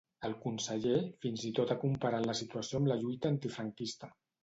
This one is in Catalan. El conseller fins i tot ha comparat la situació amb la lluita antifranquista.